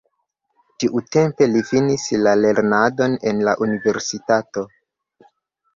Tiutempe li finis la lernadon en la universitato.